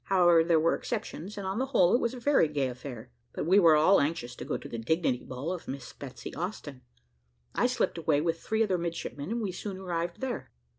However, there were exceptions, and on the whole it was a very gay affair; but we were all anxious to go to the dignity ball of Miss Betsy Austin. I slipped away with three other midshipmen, and we soon arrived there.